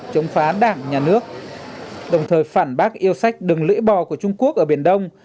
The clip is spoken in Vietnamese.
chống phá đảng nhà nước đồng thời phản bác yêu sách đường lưỡi bò của trung quốc ở biển đông